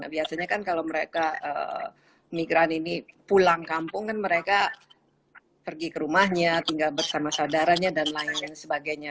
biasanya kan kalau mereka migran ini pulang kampung kan mereka pergi ke rumahnya tinggal bersama saudaranya dan lain lain sebagainya